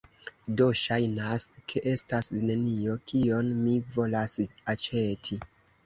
Do, ŝajnas, ke estas nenio kion mi volas aĉeti